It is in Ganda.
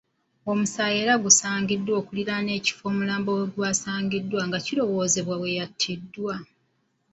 Omusaayi era gusaangiddwa okuliraana ekifo omulambo wegwasangiddwa nga kirowoozebwa weyatiddwa.